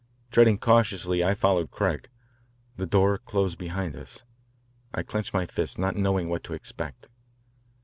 Treading cautiously I followed Craig. The door closed behind us. I clenched my fists, not knowing what to expect.